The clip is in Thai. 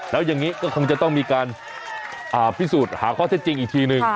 แล้วอย่างนี้ก็คงจะต้องมีการพิสูจน์หาข้อเท็จจริงอีกทีนึง